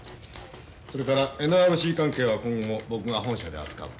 それからＮＲＣ関係は今後も僕が本社で扱ういいね。